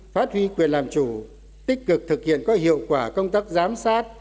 phát huy quyền làm chủ tích cực thực hiện có hiệu quả công tác giám sát